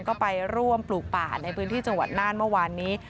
ก็ไปร่วมปลูกป่าในพื้นที่จังหวัดน่านเมื่อวานนี้